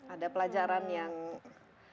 ada pelajaran yang menonjol